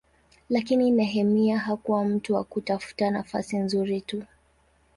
Lakini Nehemia hakuwa mtu wa kutafuta nafasi nzuri tu.